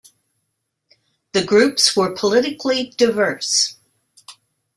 The groups were politically diverse.